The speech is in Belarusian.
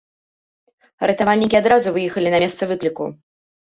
Ратавальнікі адразу выехалі на месца выкліку.